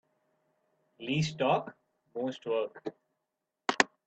Least talk most work.